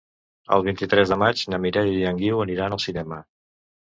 El vint-i-tres de maig na Mireia i en Guiu aniran al cinema.